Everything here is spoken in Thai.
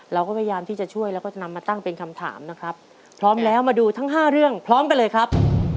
เราก็พยายามที่จะช่วยแล้วก็นำมาตั้งเป็นคำถามนะครับพร้อมแล้วมาดูทั้งห้าเรื่องพร้อมกันเลยครับ